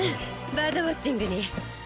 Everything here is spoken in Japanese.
バードウオッチングに。